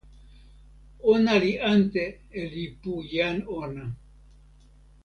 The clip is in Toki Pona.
ona li ante e lipu jan ona.